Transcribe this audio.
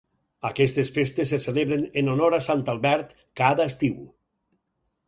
Aquestes festes se celebren en honor a Sant Albert, cada estiu.